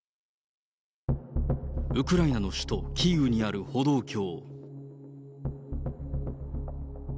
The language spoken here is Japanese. ウクライナの首都キーウにある歩道橋。